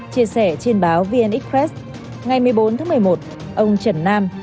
chia sẻ trên báo vn express ngày một mươi bốn tháng một mươi một ông trần nam